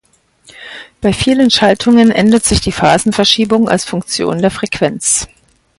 Bei vielen Schaltungen ändert sich die Phasenverschiebung als Funktion der Frequenz.